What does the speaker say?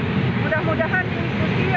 sudah kami sendar ke keselamatan